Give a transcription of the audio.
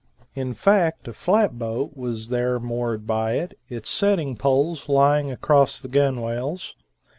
In fact a flat boat was there moored by it, it's setting poles lying across the gunwales.